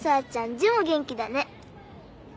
字も元気だね。